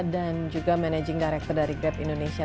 dan juga managing director dari grab indonesia